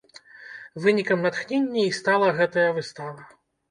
Вынікам натхнення і стала гэтая выстава.